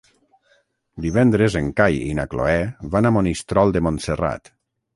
Divendres en Cai i na Cloè van a Monistrol de Montserrat.